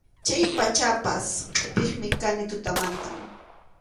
Chay pachapas qʼipiqmi kani tutamantam.